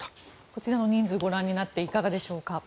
こちらの人数をご覧になっていかがでしょうか。